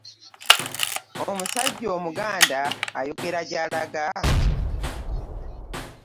Omusajja omuganda ayogera gy'alaga?